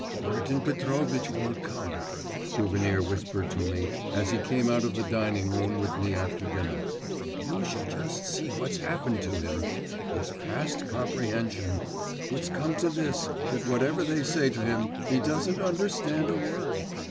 'Martin Petrovitch won't come!' Souvenir whispered to me, as he came out of the dining room with me after dinner. 'You should just see what's happened to him! It's past comprehension! It's come to this, that whatever they say to him, he doesn't understand a word!